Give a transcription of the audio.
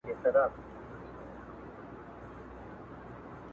د استعماري ارزښتونو په بڼو کي